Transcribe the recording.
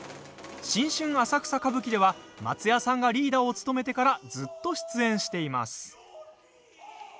「新春浅草歌舞伎」では松也さんがリーダーを務めてからずっと出演しています。